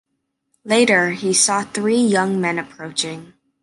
Later he saw three young men approaching.